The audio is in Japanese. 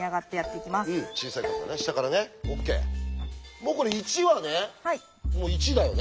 もうこれ１はね１だよね。